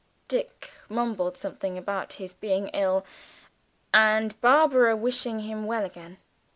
Dick mumbled something about his being ill, and Barbara wishing him well again.